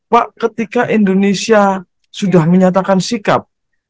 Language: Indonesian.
pak ketika indonesia sudah menyatakan sikap